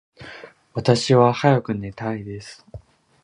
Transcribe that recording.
私は早く寝たいです。